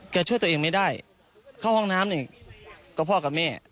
ช่วยตัวเองไม่ได้เข้าห้องน้ำนี่ก็พ่อกับแม่